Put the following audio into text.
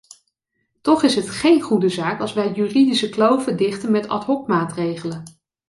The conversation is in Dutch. Toch is het geen goede zaak als wij juridische kloven dichten met ad-hocmaatregelen.